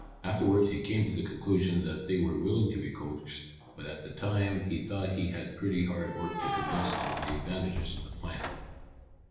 Afterwards he came to the conclusion that they were willing to be coaxed, but at the time he thought he had pretty hard work to convince them of the advantages of the plan."